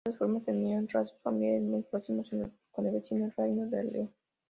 De esta forma tenía lazos familiares muy próximos con el vecino reino de León.